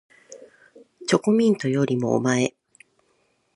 チョコミントよりもおまえ